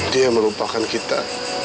dia merupakan kita